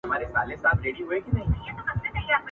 شیخه قول دي پر ځای کړ نن چي سره لاسونه ګرځې ..